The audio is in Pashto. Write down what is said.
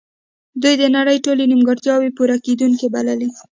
دوی د نړۍ ټولې نیمګړتیاوې پوره کیدونکې بللې